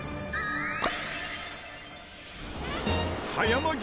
葉山牛